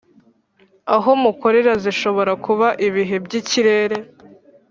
aho mukorera zishobora kuba ibihe by ikirere